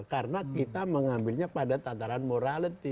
karena kita mengambilnya pada tataran morality